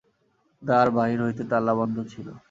দ্বার বাহির হইতে তালাবন্ধ ছিল।